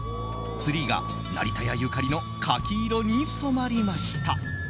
ツリーが成田屋ゆかりの柿色に染まりました。